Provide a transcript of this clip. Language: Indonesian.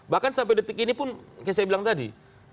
bahkan sampai detik ini pun kayak saya bilang tadi